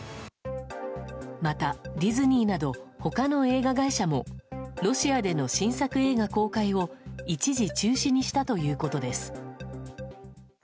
また、ディズニーなど他の映画会社もロシアでの新作映画公開を一時中止にしたということです。